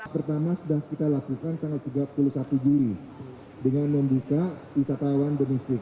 pertama sudah kita lakukan tanggal tiga puluh satu juli dengan membuka wisatawan domestik